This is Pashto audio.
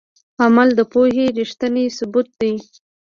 عمل د پوهې ریښتینی ثبوت دی.